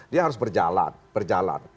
dia harus berjalan